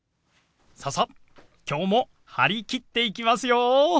ささ今日も張り切って行きますよ！